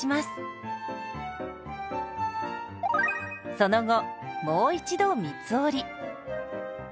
その後もう一度三つ折り。